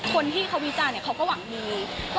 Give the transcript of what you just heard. คนที่เขาวิจารณ์เขาก็หวังดี